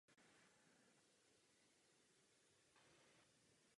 Pokračoval proto ve studiích na katolickém gymnáziu v Českých Budějovicích.